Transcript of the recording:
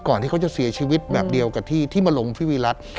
ก่อนที่เขาจะเสียชีวิตแบบเดียวกับที่มาลงฟิวิลัท